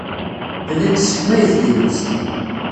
Telliḍ tesseḥmayeḍ-d imensi.